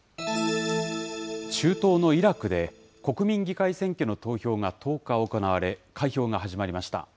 中東のイラクで、国民議会選挙の投票が１０日行われ、開票が始まりました。